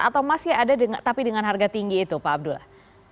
atau masih ada tapi dengan harga tinggi itu pak abdullah